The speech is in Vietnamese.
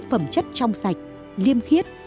phẩm chất trong sạch liêm khiết